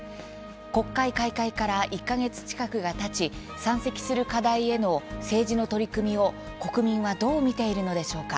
国会開会から１か月近くがたち山積する課題への政治の取り組みを国民はどう見ているのでしょうか。